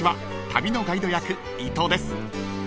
旅のガイド役伊藤です］